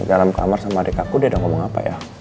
dalam kamar sama adek aku udah ada ngomong apa ya